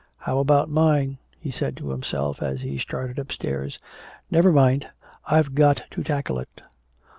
"How about mine?" he said to himself as he started upstairs. "Never mind, I've got to tackle it."